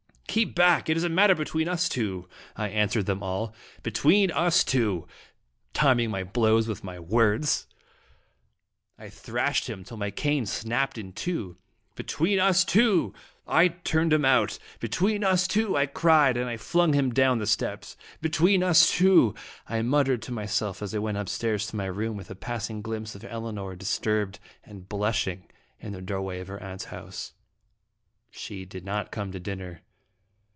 "Keep back! It is a matter between us two!" I answered them all. "Between us two!" timing my blows to my words. I thrashed him till my cane snapped in two. " Between us two !" I turned him out. " Be tween us two!" I cried, and flung him down the steps. " Between us two !" I muttered to myself as I went up stairs to my room, with a passing glimpse of Elinor, disturbed and blush ing, in the doorway of her aunt's room. She did not come to dinner.